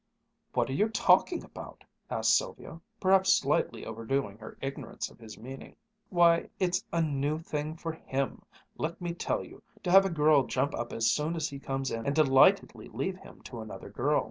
"What are you talking about?" asked Sylvia, perhaps slightly overdoing her ignorance of his meaning. "Why, it's a new thing for him, let me tell you, to have a girl jump up as soon as he comes in and delightedly leave him to another girl.